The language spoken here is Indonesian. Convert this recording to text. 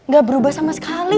gak berubah sama sekali